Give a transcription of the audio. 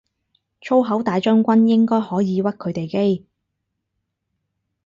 粗口大將軍應該可以屈佢哋機